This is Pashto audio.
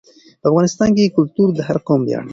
په افغانستان کې کلتور د هر قوم ویاړ دی.